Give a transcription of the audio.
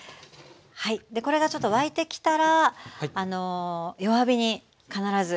はいでこれがちょっと沸いてきたら弱火に必ずして下さい。